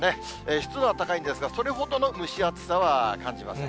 湿度は高いんですが、それほどの蒸し暑さは感じません。